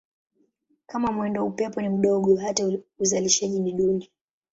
Kama mwendo wa upepo ni mdogo hata uzalishaji ni duni.